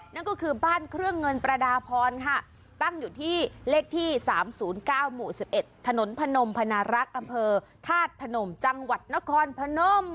นั่นก็คือบ้านเครื่องเงินประดาพรค่ะตั้งอยู่ที่เลขที่๓๐๙หมู่๑๑ถนนพนมพนารักษ์อำเภอธาตุพนมจังหวัดนครพนม